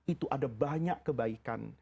itu ada banyak kebaikan